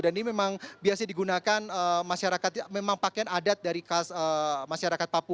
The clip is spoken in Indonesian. dan ini memang biasanya digunakan masyarakat memang pakaian adat dari masyarakat papua